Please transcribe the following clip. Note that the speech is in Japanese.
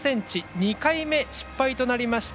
２回目失敗となりました